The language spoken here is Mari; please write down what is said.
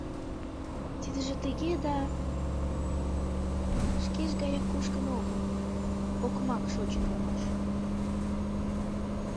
Тидыже тыге да... шкеж гаяк кушкын огыл — окмак шочын улмаш.